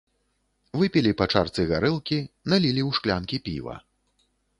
Выпілі па чарцы гарэлкі, налілі ў шклянкі піва.